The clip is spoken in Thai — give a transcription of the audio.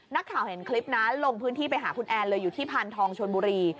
นักข่าวเห็นคลิปนะลงพื้นที่ไปหาคุณแอนเลยอยู่ที่พานทองชนบุรี